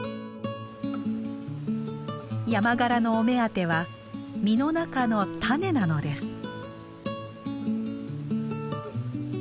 ヤマガラのお目当ては実の中の種なのです。